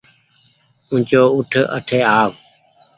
اُوچو اُٺ اٺ آو